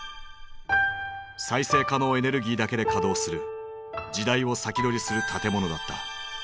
再生可能エネルギーだけで稼働する時代を先取りする建物だった。